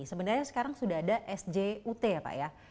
sebenarnya sekarang sudah ada sjut ya pak ya